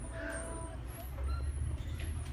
Wamezingirwa na moto, cheza mbali nao.